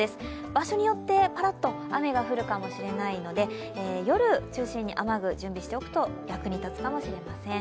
場所によってパラッと雨になるかもしれないので、夜には雨具、準備しておくと役に立つかもしれません。